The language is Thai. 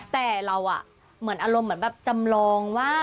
แต่เราเหมือนอารมณ์เหมือนแบบจำลองว่า